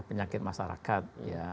penyakit masyarakat ya